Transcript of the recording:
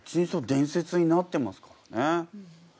伝説になってますからね。